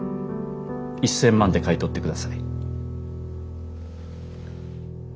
１，０００万で買い取ってください。